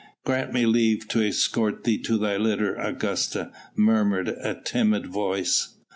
"Grant me leave to escort thee to thy litter, Augusta!" murmured a timid voice.